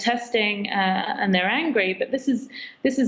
tetapi ini lebih terkait dengan konteks yang lebih luas